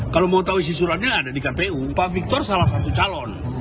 kalau mau tahu isi suratnya ada di kpu pak victor salah satu calon